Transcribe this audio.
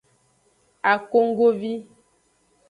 Akonggovi.